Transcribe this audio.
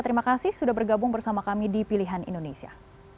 terima kasih sudah bergabung bersama kami di pilihan indonesia